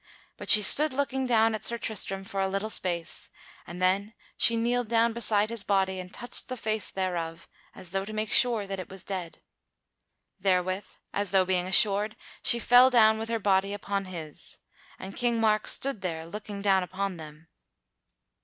But she stood looking down at Sir Tristram for a little space, and then she kneeled down beside his body and touched the face thereof as though to make sure that it was dead. Therewith, as though being assured, she fell down with her body upon his; and King Mark stood there looking down upon them.